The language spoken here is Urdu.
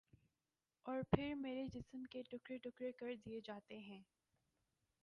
اور پھر میرے جسم کے ٹکڑے ٹکڑے کر دیے جاتے ہیں